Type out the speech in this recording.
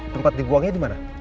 tempat dibuangnya dimana